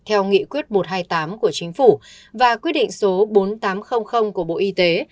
theo nghị quyết một trăm hai mươi tám của chính phủ và quyết định số bốn nghìn tám trăm linh của bộ y tế